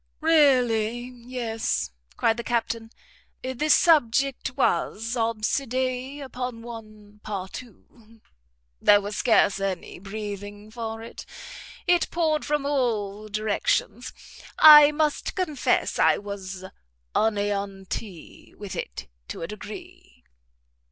"Really yes," cried the Captain; "the subject was obsedé upon one partout. There was scarce any breathing for it; it poured from all directions; I must confess I was aneanti with it to a degree."